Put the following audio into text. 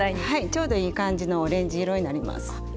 ちょうどいい感じのオレンジ色になります。